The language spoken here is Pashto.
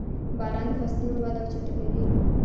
• باران د فصلونو وده چټکوي.